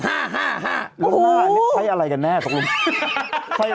ห้าลูกหน้าเข้ายังไงกันแน่ลูกหน้า